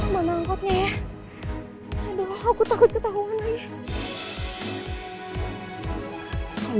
mana angkotnya ya aduh aku takut takut tauan lagi